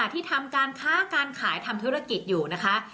ส่งผลทำให้ดวงชะตาของชาวราศีมีนดีแบบสุดเลยนะคะ